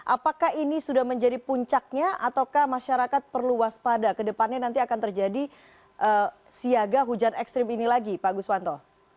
apakah ini sudah menjadi puncaknya ataukah masyarakat perlu waspada ke depannya nanti akan terjadi siaga hujan ekstrim ini lagi pak guswanto